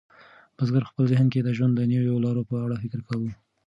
بزګر په خپل ذهن کې د ژوند د نویو لارو په اړه فکر کاوه.